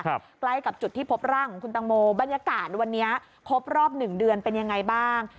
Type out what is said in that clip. ใกล้กับจุดที่พบร่างของคุณตังโมบรรยากาศวันนี้ครบรอบหนึ่งเดือนเป็นยังไงบ้าง